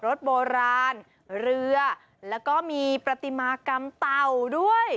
รถโบราณเรือแล้วก็มีประติมากรรมเต่าด้วย